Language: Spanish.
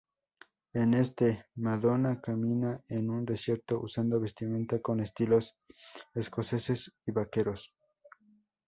En este, Madonna camina en un desierto, usando vestimenta con estilos escoceses y vaqueros.